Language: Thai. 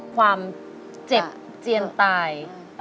ความเจ็บเจียนตาย